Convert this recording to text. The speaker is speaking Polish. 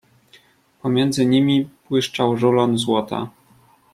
"Pomiędzy nimi błyszczał rulon złota."